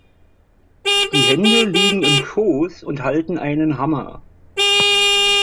Die Hände liegen im Schoß und halten einen Hammer.